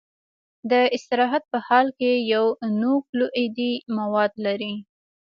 د استراحت په حال کې یو نوکلوئیدي مواد لري.